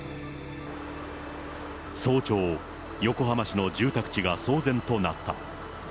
早朝、横浜市の住宅地が騒然となった。